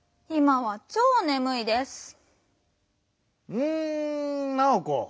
うんナオコ。